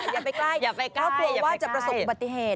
อย่าไปใกล้เขากลัวว่าจะประสบปฏิเหตุ